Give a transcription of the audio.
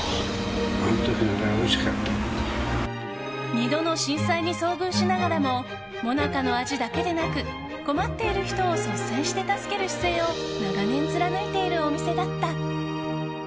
２度の震災に遭遇しながらももなかの味だけでなく困っている人を率先して助ける姿勢を長年貫いているお店だった。